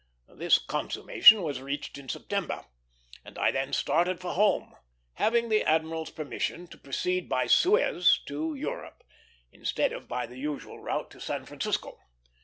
This consummation was reached in September, and I then started for home, having the admiral's permission to proceed by Suez to Europe, instead of by the usual route to San Francisco.